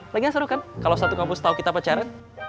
lagian seru kan kalau satu kampus tahu kita pacaran